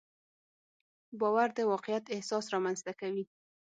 باور د واقعیت احساس رامنځته کوي.